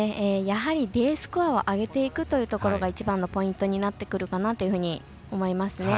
やはりＤスコアを上げていくということが一番ポイントになってくるかなと思いますね。